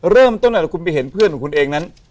เริ่มต้นหน่อยคุณไปเห็นเพื่อนของคุณเองนั้น